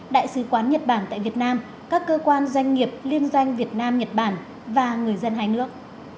đại sứ quán nhật bản tại việt nam các cơ quan doanh nghiệp liên doanh việt nam nhật bản và người dân hai nước